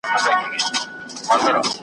سلطانانو یې منلی منزلت وو .